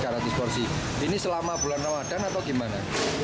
dua ratus porsi ini selama bulan ramadan atau gimana